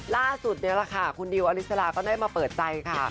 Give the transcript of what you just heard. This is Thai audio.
นี่แหละค่ะคุณดิวอลิสลาก็ได้มาเปิดใจค่ะ